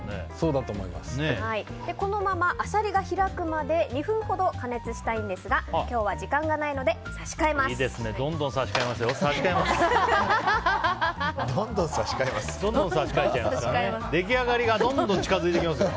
このままアサリが開くまで２分ほど加熱したいんですが今日は時間がないのでいいですね。